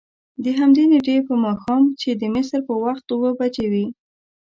د همدې نېټې په ماښام چې د مصر په وخت اوه بجې وې.